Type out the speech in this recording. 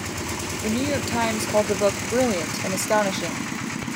"The New York Times" called the book "brilliant" and "astonishing.